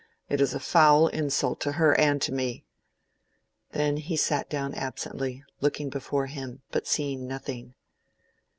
"It is a foul insult to her and to me." Then he sat down absently, looking before him, but seeing nothing.